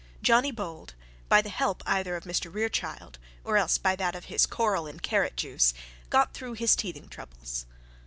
Johnny Bold, by the help either of Mr Rerechild or else by that of his coral and carrot juice, got through his teething troubles.